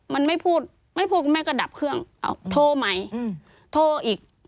มันไม่พูดไม่พูดแม่ก็ดับเครื่องโทรใหม่โทรอีก